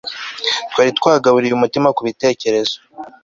Twari twagaburiye umutima kubitekerezo